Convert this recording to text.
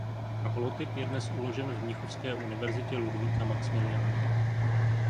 Holotyp je dnes uložen v mnichovské Univerzitě Ludvíka Maxmiliána.